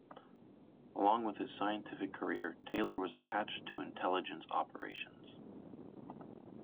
Along with his scientific career, Taylor was attached to intelligence operations.